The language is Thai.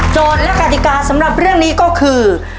และกติกาสำหรับเรื่องนี้ก็คือ